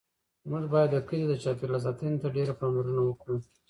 موږ باید د کلي د چاپیریال ساتنې ته ډېره پاملرنه وکړو.